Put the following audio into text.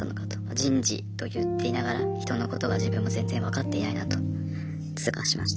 人事と言っていながら人のことが自分も全然分かっていないなと痛感しました。